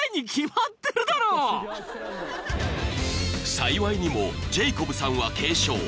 ［幸いにもジェイコブさんは］